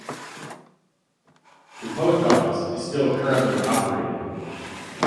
The post office is still currently operating.